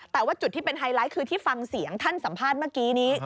แต่ว่าจุดที่เป็นไฮไลท์คือที่ฟังเสียงท่านสัมภาษณ์เมื่อกี้นี้